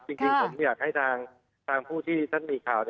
จริงผมอยากให้ทางผู้ที่ท่านมีข่าว